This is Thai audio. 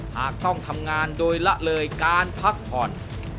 หากต้องทำงานโดยละเลยการพักผ่อน